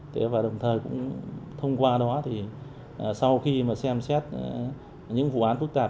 thế và đồng thời cũng thông qua đó thì sau khi mà xem xét những vụ án phức tạp